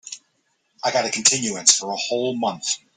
I got a continuance for a whole month.